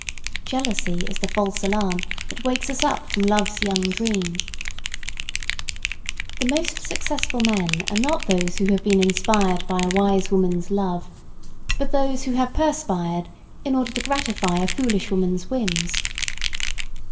Jealousy is the false alarm that wakes us up from love's young dream. The most successful men are not those who have been inspired by a wise woman's love, but those who have perspired in order to gratify a foolish woman's whims.